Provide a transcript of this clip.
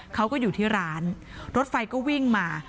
เขาก็อยู่ที่ร้านรถไฟก็วิ่งมา